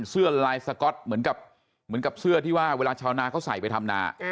เสื้อลายสก๊อตเหมือนกับเหมือนกับเสื้อที่ว่าเวลาชาวนาเขาใส่ไปทำนา